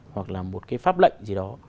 hoặc là một cái pháp lệnh gì đó